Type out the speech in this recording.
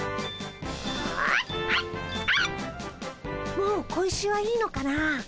もう小石はいいのかな。